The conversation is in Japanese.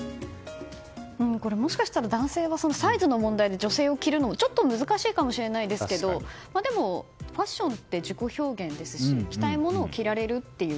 これ、もしかしたら男性はサイズの問題で女性用を着るのはちょっと難しいかもしれないですけどでも、ファッションって自己表現ですし着たいものを着られるっていう。